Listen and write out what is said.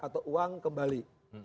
atau uang kembali